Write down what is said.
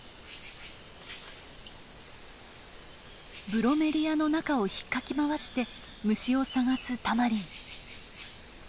ブロメリアの中をひっかき回して虫を探すタマリン。